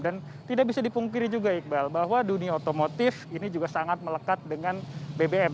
tidak bisa dipungkiri juga iqbal bahwa dunia otomotif ini juga sangat melekat dengan bbm